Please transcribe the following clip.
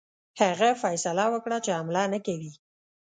هغه فیصله وکړه چې حمله نه کوي.